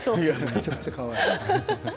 めちゃくちゃかわいい。